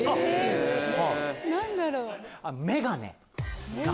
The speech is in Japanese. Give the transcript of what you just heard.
何だろう？